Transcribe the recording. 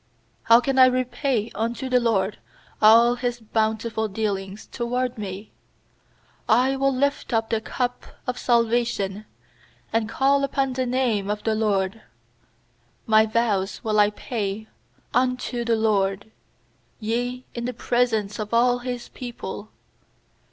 12How can I repay unto the LORD All His bountiful dealings toward me? 860 PSALMS 118 20 13I will lift up the cup of salvation, And call upon the name of the LORD. 14My vows will I pay unto the LORD, Yea, in the presence of all His people.